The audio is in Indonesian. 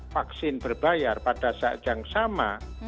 vaksin berbayar pada saat yang sama